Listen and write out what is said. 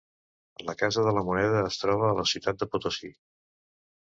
La Casa de la Moneda es troba a la ciutat de Potosí.